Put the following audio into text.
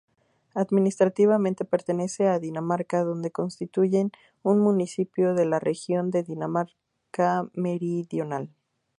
Administrativamente pertenece a Dinamarca, donde constituye un municipio de la región de Dinamarca Meridional.